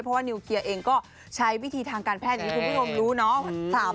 เพราะว่านิวเคลียร์เองก็ใช้วิธีทางการแพทย์อย่างที่คุณผู้ชมรู้เนาะ